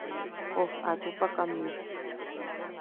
Pos achupakamme.